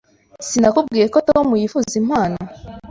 Sinakubwiye ko Tom yifuza impano?